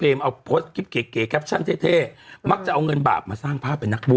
เอาโพสต์คลิปเก๋แคปชั่นเท่มักจะเอาเงินบาปมาสร้างภาพเป็นนักบู